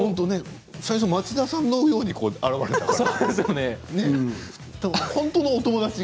最初、町田さんのように現れたから本当のお友達が。